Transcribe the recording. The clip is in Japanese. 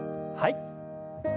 はい。